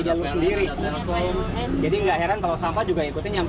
jalur sendiri jadi enggak heran kalau sampah juga